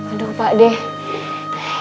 aduh pak deh